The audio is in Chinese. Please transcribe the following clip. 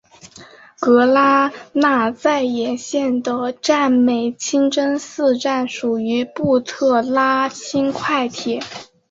格拉那再也线的占美清真寺站属于布特拉轻快铁。